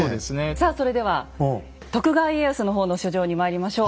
さあそれでは徳川家康の方の書状にまいりましょう。